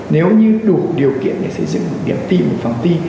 nếu như đủ điều kiện để xây dựng một điểm thi một phòng thi